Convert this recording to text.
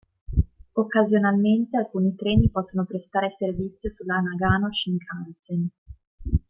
Occasionalmente alcuni treni possono prestare servizio sulla Nagano Shinkansen.